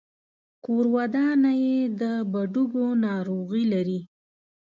کورودانه يې د بډوګو ناروغي لري.